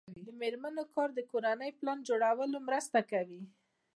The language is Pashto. د میرمنو کار د کورنۍ پلان جوړونې مرسته کوي.